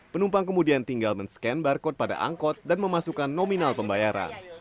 penumpang kemudian tinggal men scan barcode pada angkot dan memasukkan nominal pembayaran